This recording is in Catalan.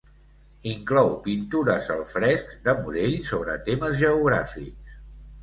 Inclou pintures al fresc de Morell sobre temes geogràfics.